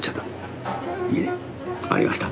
いけねありました。